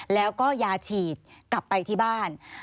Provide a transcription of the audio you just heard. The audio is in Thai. แล้วก็ยาฉีดกลับไปที่บ้าน